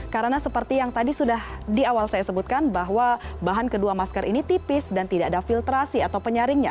karena seperti yang tadi sudah di awal saya sebutkan bahwa bahan kedua masker ini tipis dan tidak ada filtrasi atau penyaringnya